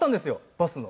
バスの。